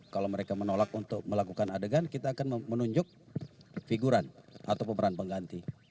kalau mereka menolak untuk melakukan adegan kita akan menunjuk figuran atau pemeran pengganti